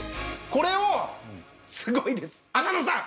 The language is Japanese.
これをすごいです浅野さん。